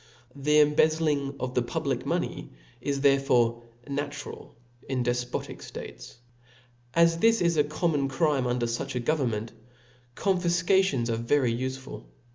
The embezzling of the public pioney is therefore natural in defpbtic ftates. 'As this is a common crime under fuch a govern ment, confifcations are very ufeful.